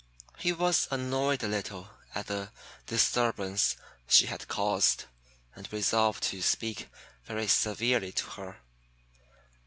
He was annoyed a little at the disturbance she had caused, and resolved to speak very severely to her.